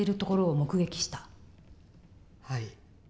はい。